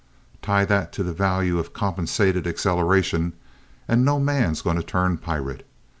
Tie to that the value of compensated acceleration, and no man's going to turn pirate.